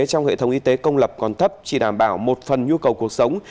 trong hệ thống y tế công lập còn thấp chỉ đảm bảo một phần nhu cầu cuộc sống